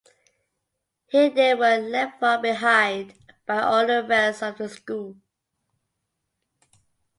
Here they were left far behind by all the rest of the school.